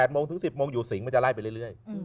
โมงถึง๑๐โมงอยู่สิงมันจะไล่ไปเรื่อย